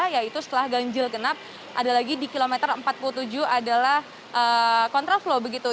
yaitu setelah ganjil genap ada lagi di kilometer empat puluh tujuh adalah kontraflow begitu